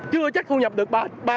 chưa chắc thu nhập được ba bốn trăm linh